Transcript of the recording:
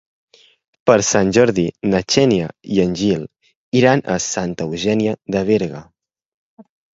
Per Sant Jordi na Xènia i en Gil iran a Santa Eugènia de Berga.